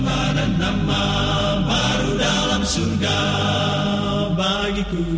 ada nama baru dalam surga bagiku